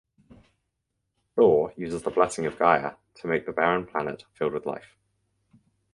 Thor uses the blessing of Gaea to make the barren planet filled with life.